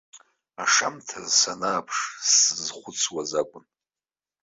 Ашамҭаз, санааԥш, сзызхәыцуаз акәын.